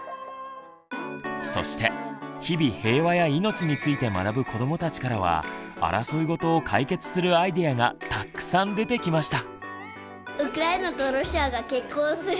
そして日々平和や命について学ぶ子どもたちからは争いごとを解決するアイデアがたくさん出てきました！